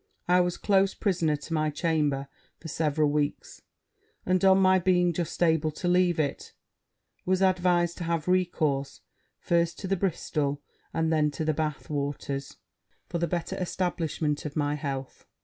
I was close prisoner in my chamber for several weeks; and, on my being just able to leave it, was advised to have recourse first to the Bristol and then to the Bath waters, for the better establishment of my health.